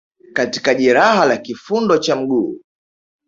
katika jeraha la kifundo cha mguu